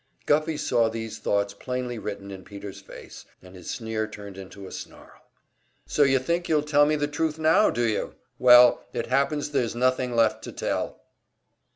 Guffey saw these thoughts plainly written in Peter's face, and his sneer turned into a snarl. "So you think you'll tell me the truth now, do you? Well, it happens there's nothing left to tell!"